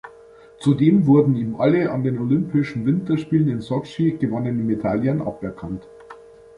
Zudem wurden ihm alle an den Olympischen Winterspielen in Sotschi gewonnenen Medaillen aberkannt.